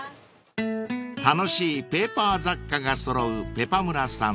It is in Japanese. ［楽しいペーパー雑貨が揃うぺぱむらさん］